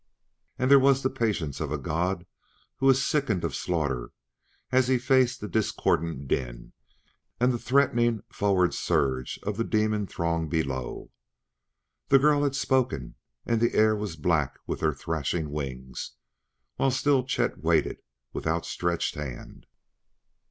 And there was the patience of a god who is sickened of slaughter as he faced the discordant din and the threatening forward surge of the demon throng below. The girl had spoken, and the air was black with their threshing wings, while still Chet waited with outstretched hand.